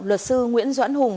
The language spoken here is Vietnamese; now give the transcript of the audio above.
luật sư nguyễn doãn hùng